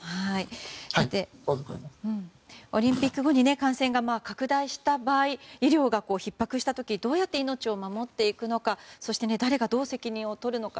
オリンピック後に感染が拡大した場合医療がひっ迫した時どうやって命を守っていくのかそして誰がどう責任を取るのか。